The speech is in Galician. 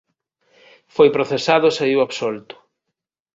Foi procesado e saíu absolto.